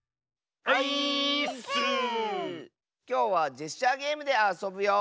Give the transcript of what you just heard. きょうはジェスチャーゲームであそぶよ。